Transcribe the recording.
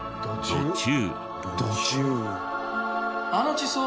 土柱。